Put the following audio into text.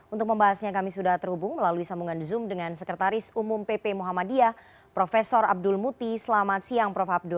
untuk membahasnya kami sudah terhubung melalui sambungan zoom dengan sekretaris umum pp muhammadiyah prof abdul muti selamat siang prof abdul